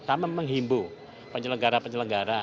kita menghimbu penyelenggara penyelenggara